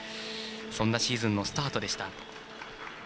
そんなシーズンのスタートでした。